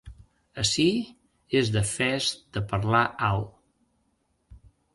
Ací és defès de parlar alt.